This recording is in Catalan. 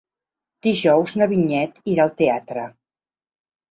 Dijous na Vinyet irà al teatre.